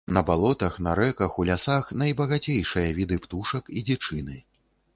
На балотах, на рэках, у лясах найбагацейшыя віды птушак і дзічыны.